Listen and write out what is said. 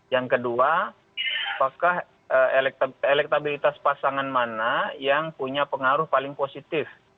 yang kedua apakah elektabilitas pasangan mana yang punya pengaruh paling positif